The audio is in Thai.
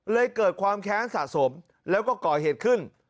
เกิดความแค้นสะสมแล้วก็ก่อเหตุขึ้น